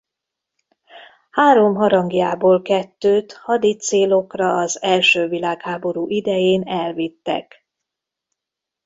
Három harangjából kettőt hadi célokra az első világháború idején elvittek.